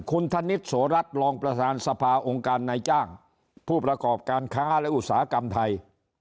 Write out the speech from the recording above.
คุณธนิษฐโสรัตน์รองประธานสภาองค์การนายจ้างผู้ประกอบการค้าและอุตสาหกรรมไทย